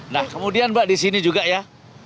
nah kemudian mbak di sini juga ya